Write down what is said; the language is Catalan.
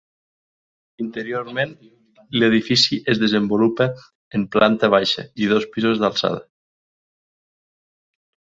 Interiorment l'edifici es desenvolupa en planta baixa i dos pisos d'alçada.